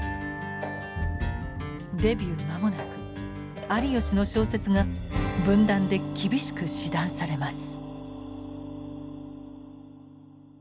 デビュー間もなく有吉の小説が文壇で厳しく指弾されます。